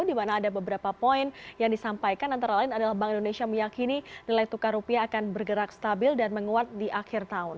di mana ada beberapa poin yang disampaikan antara lain adalah bank indonesia meyakini nilai tukar rupiah akan bergerak stabil dan menguat di akhir tahun